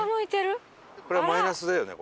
これはマイナスだよね？